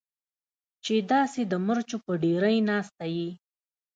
چې داسې د مرچو په ډېرۍ ناسته یې.